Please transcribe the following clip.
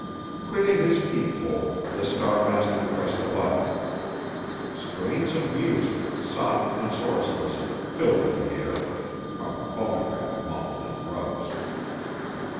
Quitting his peep hole, the Star master pressed a button. Strains of music, soft and sourceless, filled the air (from a phonograph muffled in rugs).